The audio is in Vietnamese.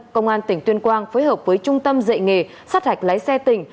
công an tỉnh tuyên quang phối hợp với trung tâm dạy nghề sát hạch lái xe tỉnh